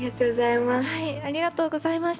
ありがとうございます。